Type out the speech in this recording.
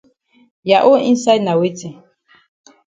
Ya own inside na weti.